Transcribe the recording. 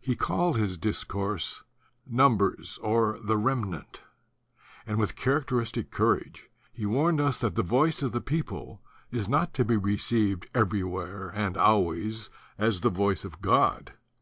He called his discourse, "Numbers, or the Rem nant"; and with characteristic courage he warned us that the voice of the people is not to be re ceived everywhere and always as the voice of God.